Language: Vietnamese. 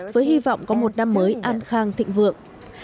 với hy vọng có một năm mới an khang thịnh vượng